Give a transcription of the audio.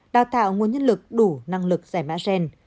đào tạo nguồn nhân lực đủ năng lực giải mã gen